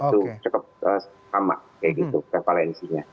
itu cukup sama kayak gitu prevalensinya